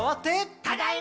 ただいま！